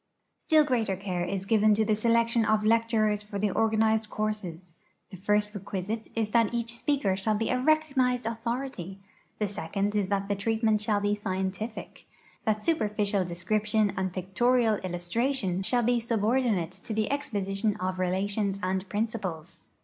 Still greater care is given to the selection of lecturers for the organized courses. The first requisite is that each speaker shall be a recognized authority ; the second is that the treatment shall be scientific — tliat superficial description and pictorial illus tration shall be subordinate to the exposition of relations and principles.